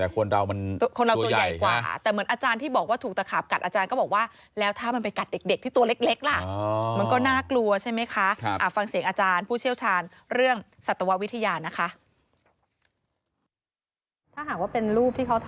ก็น่ากลัวใช่ไหมคะฟังเสียงอาจารย์ผู้เชี่ยวชาญเรื่องสัตววิทยานะคะ